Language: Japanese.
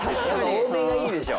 多めがいいでしょ。